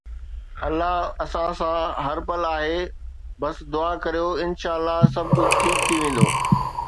الله اسان سان هر پل آهي، بس دعا ڪريو، انشاءَ الله سڀ ڪجهه ٺيڪ ٿي ويندو